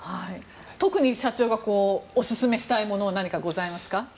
特に社長がオススメしたいものは何かございますか？